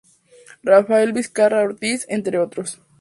Rafael Vizcarra Ortíz", entre otros.